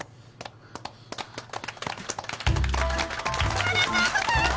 おめでとうございます！